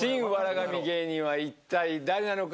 神芸人は一体誰なのか？